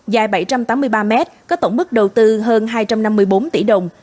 dài bảy trăm tám mươi ba mét có tổng mức đầu tư hơn hai trăm năm mươi bốn tỷ đồng